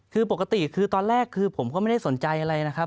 คือปกติคือตอนแรกคือผมก็ไม่ได้สนใจอะไรนะครับ